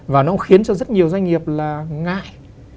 và nó khiến cho rất nhiều doanh nghiệp là ngại